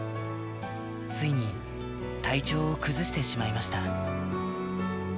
ついに体調を崩してしまいました。